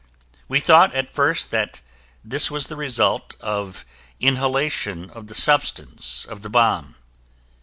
We thought at first that this was the result of inhalation of the substance of the bomb.